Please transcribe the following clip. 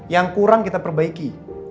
yang kurang kita perbaiki